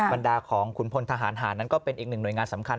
บรรดาของขุนพลทหารหารนั้นก็เป็นอีกหนึ่งหน่วยงานสำคัญ